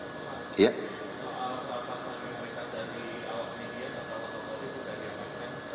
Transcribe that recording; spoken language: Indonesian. atau foto foto yang sudah diangkat